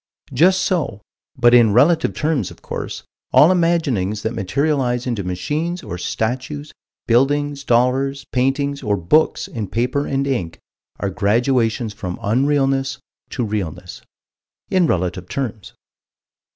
Just so, but in relative terms, of course, all imaginings that materialize into machines or statues, buildings, dollars, paintings or books in paper and ink are graduations from unrealness to realness in relative terms.